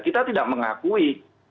kita tidak mengakui